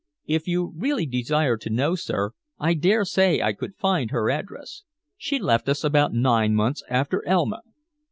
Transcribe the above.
If you really desire to know, sir, I dare say I could find her address. She left us about nine months after Elma."